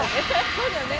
そうだよね。